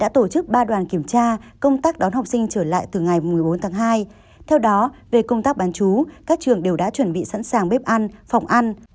theo đó về công tác bán chú các trường đều đã chuẩn bị sẵn sàng bếp ăn phòng ăn